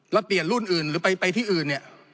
แล้วเปลี่ยนรุ่นอื่นหรือไปที่อื่นเนี่ย